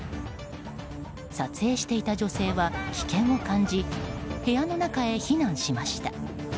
撮影していた女性は危険を感じ部屋の中へ避難しました。